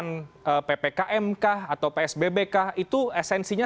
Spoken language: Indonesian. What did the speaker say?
itu esensinya sebetulnya adalah bagaimana ini bisa dipaparkan keseluruhan masyarakat gitu kan